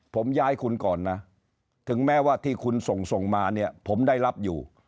ผมย้ายคุณก่อนนะถึงแม้ว่าที่คุณส่งส่งมาเนี่ยผมได้รับอยู่